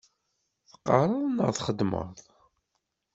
Teqqaṛeḍ neɣ txeddmeḍ?